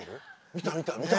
見た見た。